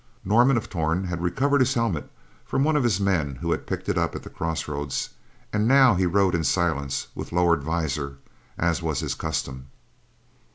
Norman of Torn had recovered his helmet from one of his men who had picked it up at the crossroads, and now he rode in silence with lowered visor, as was his custom.